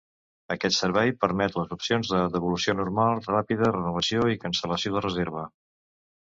Aquest servei permet les opcions de devolució normal, ràpida, renovació i cancel·lació de reserva.